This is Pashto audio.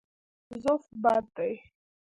ضعف بد دی.